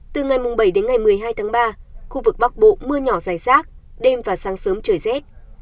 từ ngày bảy đến ngày một mươi hai tháng ba khu vực bắc bộ mưa nhỏ dài rác đêm và sáng sớm trời rét